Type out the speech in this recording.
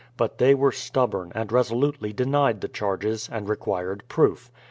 But they were stubborn, and resolutely denied the charges, and re quired proof.